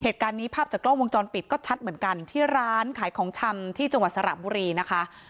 เหตุการณ์นี้ภาพจากกล้องวงจรปิดก็ชัดเหมือนกันที่ร้านขายของชำที่จังหวัดสระบุรีนะคะ